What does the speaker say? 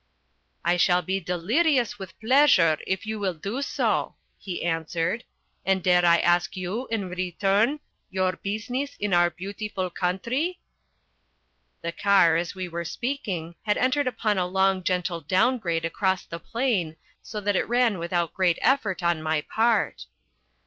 "I shall be delirious with pleasure if you will do so," he answered, "and dare I ask you, in return, your business in our beautiful country?" The car, as we were speaking, had entered upon a long gentle down grade across the plain, so that it ran without great effort on my part.